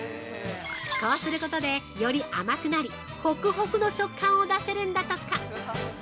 こうすることでより甘くなりほくほくの食感を出せるんだとか。